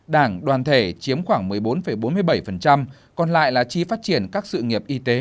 đảng đoàn thể chiếm khoảng một mươi bốn bốn mươi bảy còn lại là chi phát triển các sự nghiệp y tế